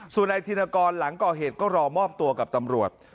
ส่วนนายธินกรหลังก่อเหตุก็รอมอบตัวกับตำรวจ